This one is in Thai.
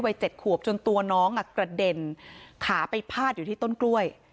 ๗ขวบจนตัวน้องกระเด็นขาไปพาดอยู่ที่ต้นกล้วย